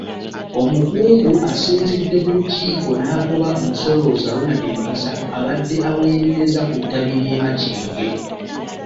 Omukungu asinzidde mu lukiiko n'agoba omusolooza Ronald Mukasa abadde aweerereza ku ttabi ly’e Makindye.